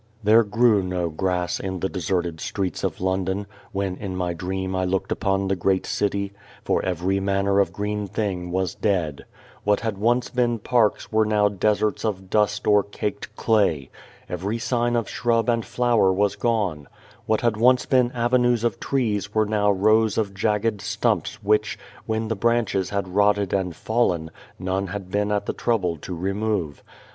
There grew no grass in the deserted streets of London, when in my dream I looked upon the great city, for every manner of green thing was dead. What had once been parks were now deserts of dust or caked clay. Every sign 286 A World Without a Child of shrub and flower was gone. What had once been avenues of trees were now rows of jagged stumps which, when the branches had rotted and fallen, none had been at the trouble to remove.